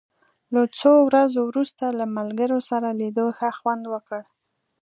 له څو ورځو وروسته له ملګرو سره لیدو ښه خوند وکړ.